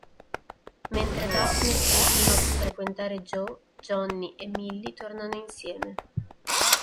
Mentre Daphne continua a frequentare Joe, Johnny e Milly tornano insieme.